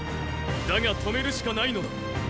だが止めるしかないのだ。